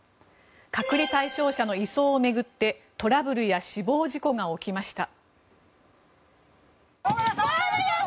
隔離対象者の移送を巡ってトラブルや死亡事故が起きました。